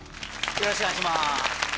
よろしくお願いします。